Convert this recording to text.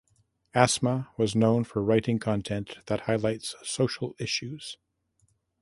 Asma was known for writing content that highlights social issues.